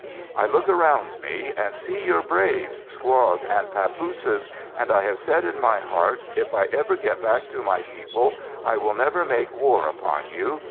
I look around me and see your braves, squaws and papooses, and I have said in my heart, if I ever get back to my people, I will never make war upon you.